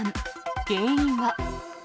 原因は？